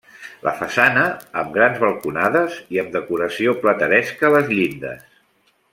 La façana amb grans balconades i amb decoració plateresca a les llindes.